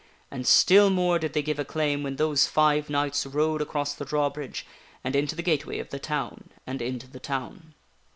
And still more did they give acclaim when those five knights rode across the drawbridge and into the gateway of the town and into the town.